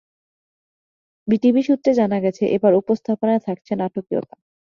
BTV সূত্রে জানা গেছে, এবার উপস্থাপনায় থাকছে নাটকীয়তা।